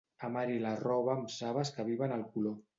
Amari la roba amb sabes que aviven el color.